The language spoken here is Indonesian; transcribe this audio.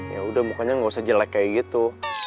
yaudah mukanya ga usah jelek kayak gitu